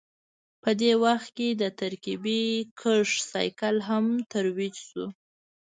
په دې وخت کې د ترکیبي کښت سایکل هم ترویج شو